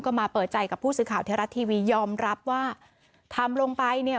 ก็มาเปิดใจกับผู้สื่อข่าวไทยรัฐทีวียอมรับว่าทำลงไปเนี่ย